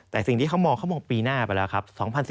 แต่สิ่งที่เขามองเขามองปีหน้าไปแล้วครับ